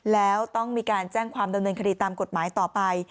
แล้วต้องมีการแจ้งความดำเนินคดีตามกฎหมายต่อไป